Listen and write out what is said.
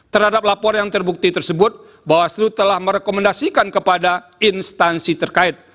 terhadap laporan yang terbukti tersebut bawaslu telah merekomendasikan kepada instansi terkait